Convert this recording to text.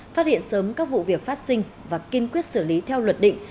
phát hiện sớm các vụ việc phát sinh và kiên quyết xử lý theo luật định